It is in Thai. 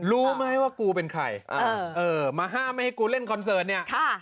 รู้ไหมว่ากูเป็นใครเออเออมาห้ามให้กูเล่นคอนเซิร์ตเนี่ยค่ะ